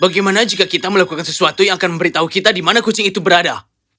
bagaimana jika kita melakukan sesuatu yang akan memberitahu kita di mana kucing itu berada